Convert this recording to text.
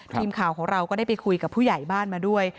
ทีมข่าวของเราก็ได้ไปคุยกับผู้ใหญ่บ้านมาด้วย